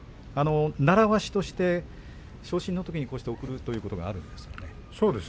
習わしとして昇進のときにこうして贈るということがあるんですかね。